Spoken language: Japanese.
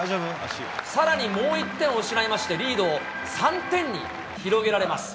さらにもう１点を失いまして、リードを３点に広げられます。